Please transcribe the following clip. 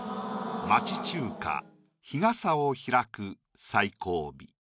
「町中華日傘を開く最後尾」。